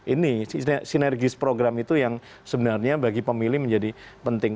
ini sinergis program itu yang sebenarnya bagi pemilih menjadi penting